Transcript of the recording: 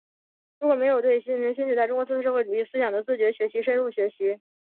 如果没有对习近平新时代中国特色社会主义思想的自觉学习深入学习